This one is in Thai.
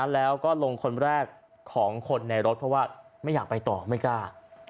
แล้วก็ลงคนแรกของคนในรถเพราะว่าไม่อยากไปต่อไม่กล้า